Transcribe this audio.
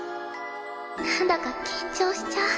なんだか緊張しちゃう。